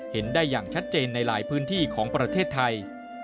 เห็นได้อย่างชัดเจนในหลายพื้นที่ของประเทศไทย